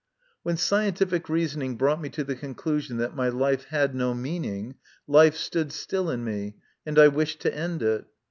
When scientific reasoning brought me to the conclusion that my life had no meaning, life stood still in me, and I wished to end it.